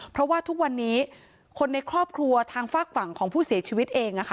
เพราะว่าทุกวันนี้คนในครอบครัวทางฝากฝั่งของผู้เสียชีวิตเอง